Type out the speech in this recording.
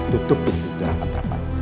tutup pintu terangkan terangkan